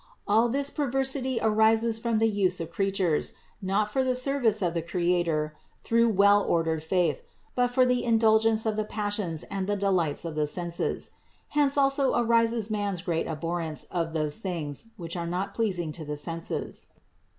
All this perversity arises from the use of crea tures not for the service of the Creator through well ordered faith, but for the indulgence of the passions and the delights of the senses. Hence also arises man's great abhorrence of those things which are not pleasing to the senses.